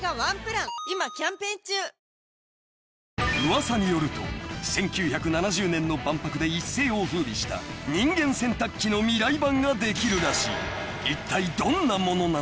［噂によると１９７０年の万博で一世を風靡した人間洗濯機の未来版ができるらしい］